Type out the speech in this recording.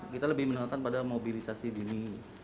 kita lebih menonjolkan pada mobilisasi dini